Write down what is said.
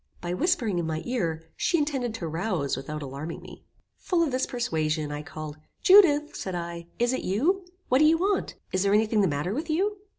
By whispering in my ear, she intended to rouse without alarming me. Full of this persuasion, I called; "Judith," said I, "is it you? What do you want? Is there any thing the matter with you?"